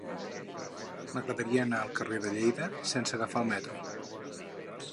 M'agradaria anar al carrer de Lleida sense agafar el metro.